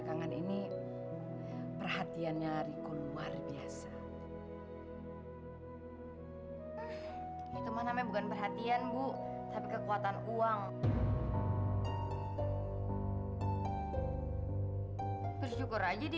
sampai jumpa di video selanjutnya